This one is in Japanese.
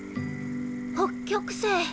北極星。